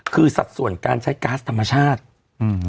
คือสัดส่วนการใช้ก๊าซธรรมชาติอืม